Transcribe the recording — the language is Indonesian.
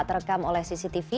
terekam oleh cctv